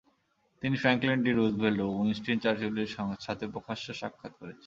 তিনি Franklin D. Roosevelt ও Winston চার্চিলের সাথে প্রকাশ্য সাক্ষাত করেছেন।